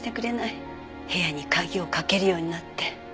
部屋に鍵をかけるようになって。